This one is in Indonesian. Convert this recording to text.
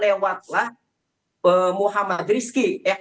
lewatlah muhammad rizki eh